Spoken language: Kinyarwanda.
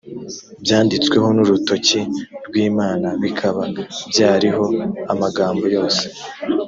byanditsweho n’urutoki rw’imana, bikaba byariho amagambo yose